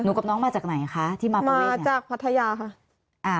กับน้องมาจากไหนคะที่มามาจากพัทยาค่ะอ่า